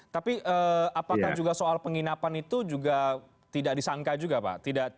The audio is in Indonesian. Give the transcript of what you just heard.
tapi apakah juga soal penginapan itu juga tidak disangka juga pak